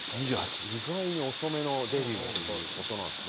意外に遅めのデビューという事なんですね。